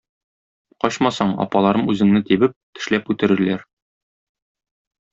Качмасаң, апаларым үзеңне тибеп, тешләп үтерерләр.